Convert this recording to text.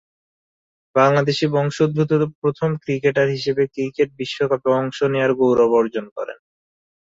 বাংলাদেশী বংশোদ্ভূত প্রথম ক্রিকেটার হিসেবে ক্রিকেট বিশ্বকাপে অংশ নেয়ার গৌরব অর্জন করেন।